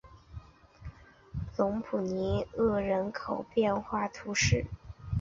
隆普尼厄人口变化图示